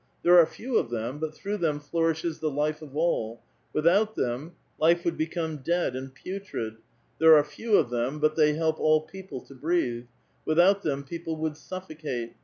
There are few of them, but through them flourishes the life of all ; without them life would become dead and putrid ; there are few of them, but they help all people to breathe ; without them people would suffocate.